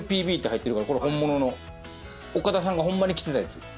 岡田さんがほんまに着てたやつ。